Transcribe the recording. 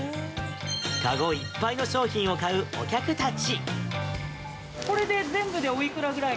籠いっぱいの商品を買うお客たち。